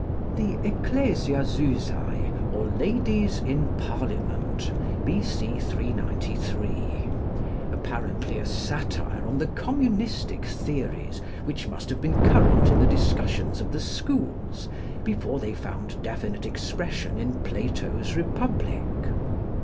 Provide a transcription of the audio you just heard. The 'Ecclesiazusæ' or 'Ladies in Parliament,' B.C. 393: apparently a satire on the communistic theories which must have been current in the discussions of the schools before they found definite expression in Plato's 'Republic.'